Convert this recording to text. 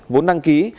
vốn đăng ký